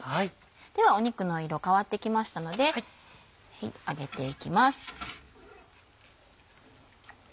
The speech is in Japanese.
では肉の色変わってきましたので上げていきます。